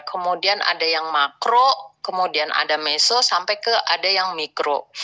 kemudian ada yang makro kemudian ada meso sampai ke ada yang mikro